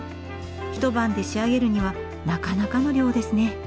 １晩で仕上げるにはなかなかの量ですね。